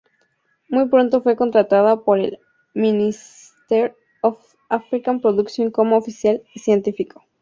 Muy pronto fue contratado por el Minister of Aircraft Production como oficial científico.